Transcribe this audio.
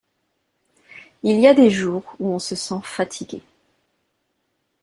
Il y a des jours où on se sent fatigué.